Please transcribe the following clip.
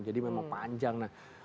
jadi memang panjang